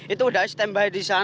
itu sudah standby di sana